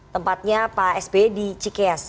tempatnya pak sp di cikes